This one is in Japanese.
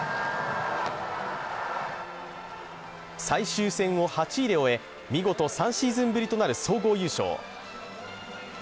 最終戦を８位で終え、見事、３シーズンぶりとなる総合優勝。